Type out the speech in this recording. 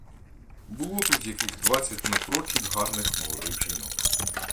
Було тут яких двадцять напрочуд гарних молодих жінок.